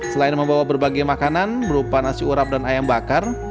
selain membawa berbagai makanan berupa nasi urap dan ayam bakar